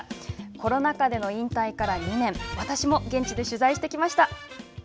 コロナ禍での引退から２年私も現地で取材してきました。